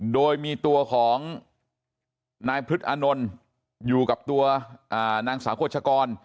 โดยมีตัวของนายพฤษอานนท์อยู่กับตัวนางสาวโฆษกร